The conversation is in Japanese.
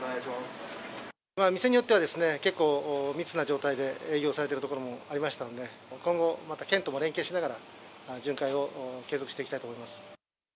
店によっては、結構、密な状態で営業されてる所もありましたので、今後、また県とも連携しながら、巡回を継続していきたいと思います。